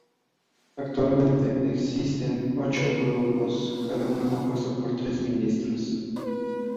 Actualmente existen ocho grupos, cada uno compuesto por tres ministros.